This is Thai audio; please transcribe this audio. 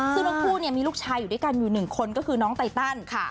ซึ่งทั้งคู่มีลูกชายอยู่ด้วยกันอยู่๑คนก็คือน้องไตตัน